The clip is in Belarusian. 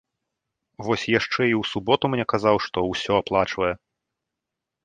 Вось яшчэ і ў суботу мне казаў, што ўсё аплачвае.